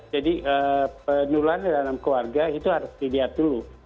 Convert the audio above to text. jadi penularan dalam keluarga itu harus dilihat dulu